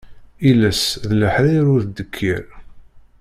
Iles d leḥrir ul d ddkir.